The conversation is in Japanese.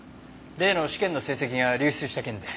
例の試験の成績が流出した件で。